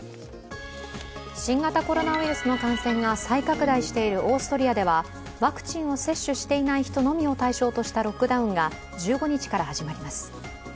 新型コロナウイルスの感染が再拡大しているオーストリアではワクチンを接種していない人のみを対象としたロックダウンが１５日から始まります。